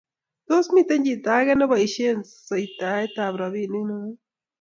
Tos, miten chito age nebaishen sitoitab robinik negung?